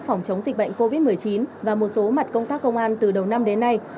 phòng chống dịch bệnh covid một mươi chín và một số mặt công tác công an từ đầu năm đến nay